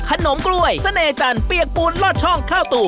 ขนมกล้วยเสน่หจันทร์เปียกปูนลอดช่องข้าวตู